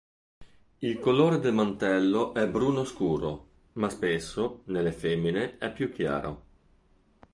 Il colore del mantello è bruno scuro, ma spesso, nelle femmine, è più chiaro.